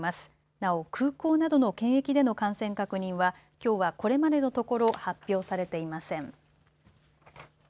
なお、空港などの検疫での感染確認はきょうはこれまでのところ発表されていません。